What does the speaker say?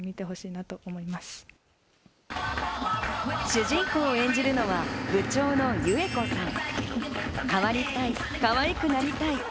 主人公を演じるのは部長の侑恵子さん。